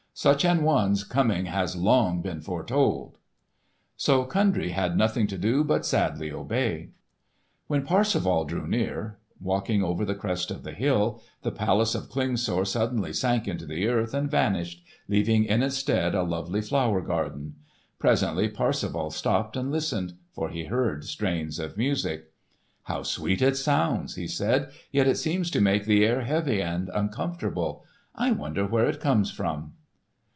Such an one's coming has long been foretold." So Kundry had nothing to do but sadly obey. When Parsifal drew near, walking over the crest of the hill, the palace of Klingsor suddenly sank into the earth and vanished, leaving in its stead a lovely flower garden. Presently Parsifal stopped and listened, for he heard strains of music. "How sweet it sounds!" he said; "yet it seems to make the air heavy and uncomfortable. I wonder where it comes from?"